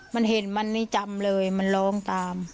มันเห็นมันนี่จำเลยมันร้องตาม